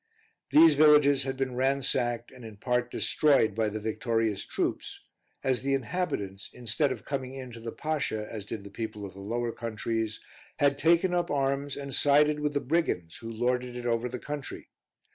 These villages had been ransacked, and in part destroyed, by the victorious troops, as the inhabitants, instead of coming in to the Pasha, as did the people of the lower countries, had taken up arms and sided with the brigands who lorded it over the country.